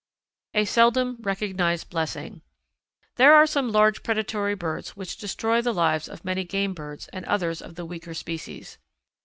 A Seldom Recognised Blessing. There are some large predatory birds which destroy the lives of many game birds and others of the weaker species.